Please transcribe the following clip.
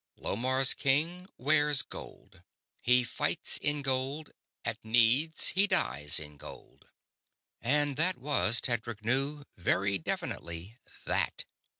Lomarr's king wears gold. He fights in gold; at need he dies in gold." And that was, Tedric knew, very definitely that.